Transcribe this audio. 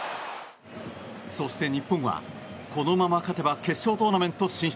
そして日本は、このまま勝てば決勝トーナメント進出。